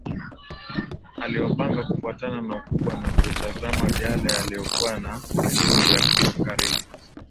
Aliyapanga kufuatana na ukubwa na kutazama yale yaliyokuwa na vipimo vya karibu